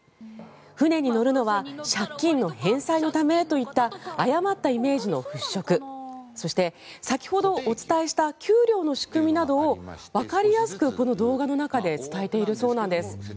船に乗るのは借金の返済のためといった誤ったイメージの払しょくそして、先ほどお伝えした給料の仕組みなどをわかりやすく、この動画の中で伝えているそうなんです。